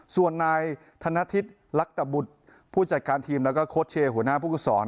ส่วนนายธนทิศลักตบุตรผู้จัดการทีมแล้วก็โค้ชเชย์หัวหน้าผู้กุศร